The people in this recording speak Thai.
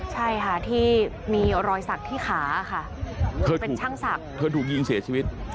ใช่ค่ะที่มีรอยสักที่ขาค่ะเธอเป็นช่างศักดิ์เธอถูกยิงเสียชีวิต